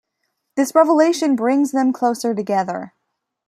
This revelation brings them closer together.